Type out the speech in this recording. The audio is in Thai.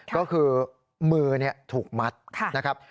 ก็คือมือถูกมัดนะครับ